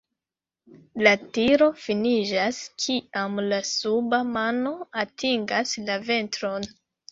La tiro finiĝas kiam la suba mano atingas la ventron.